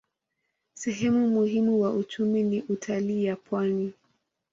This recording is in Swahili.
Sehemu muhimu wa uchumi ni utalii ya pwani.